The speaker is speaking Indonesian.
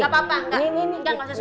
gapapa enggak ini ini ini